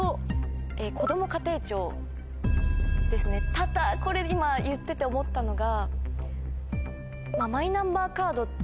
ただこれ今言ってて思ったのが。